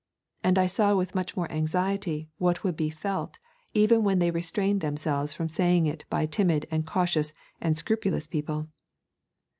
And I saw with much more anxiety what would be felt even when they restrained themselves from saying it by timid and cautious and scrupulous people.